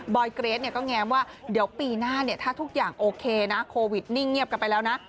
เกรทก็แง้มว่าเดี๋ยวปีหน้าเนี่ยถ้าทุกอย่างโอเคนะโควิดนิ่งเงียบกันไปแล้วนะ